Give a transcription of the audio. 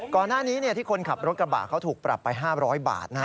ก่อนหน้านี้ที่คนขับรถกระบะเขาถูกปรับไป๕๐๐บาท